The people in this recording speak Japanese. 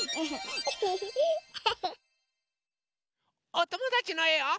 おともだちのえを。